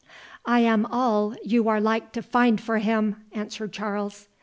"I am all you are like to find for him," answered Charles.